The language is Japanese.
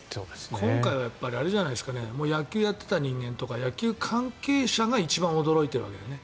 今回は野球をやっていた人間とか野球関係者が一番驚いているわけだよね。